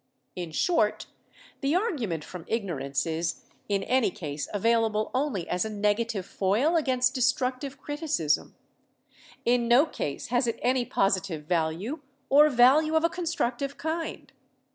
"In short, the argument from ignorance is in any case available only as a negative foil against destructive criti cism. In no case has it any positive value or value of a constructive kind.